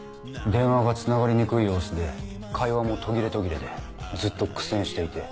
電話がつながりにくい様子で会話も途切れ途切れでずっと苦戦していて。